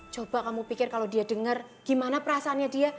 coba kamu pikir kalo dia denger gimana perasaannya dia